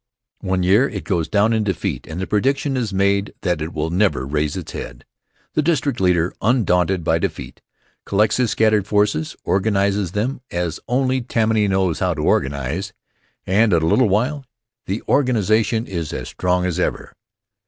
One year it goes down in defeat and the prediction is made that it will never again raise its head. The district leader, undaunted by defeat, collects his scattered forces, organizes them as only Tammany knows how to organize, and in a little while the organization is as strong as ever.